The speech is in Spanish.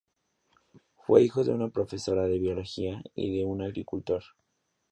Fue hijo de una profesora de biología y de un agricultor.